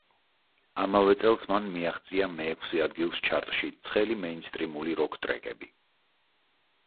ამავე წელს მან მიაღწია მეექვსე ადგილს ჩარტში ცხელი მეინსტრიმული როკ ტრეკები.